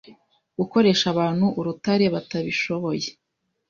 Gukoresha Abantu Urutare batabishoboye